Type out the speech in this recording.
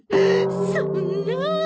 そんな。